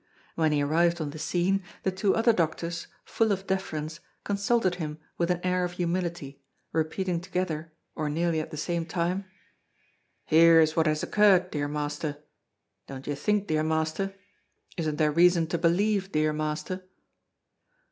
When he arrived on the scene, the two other doctors, full of deference, consulted him with an air of humility, repeating together or nearly at the same time: "Here is what has occurred, dear master. Don't you think, dear master? Isn't there reason to believe, dear master?"